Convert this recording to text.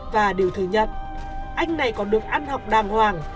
và điều thứ nhất anh này còn được ăn học đàng hoàng